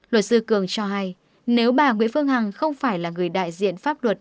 luật sư cường cho hay nếu bà nguyễn phương hằng không phải là người đại diện pháp luật